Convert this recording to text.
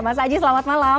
mas aji selamat malam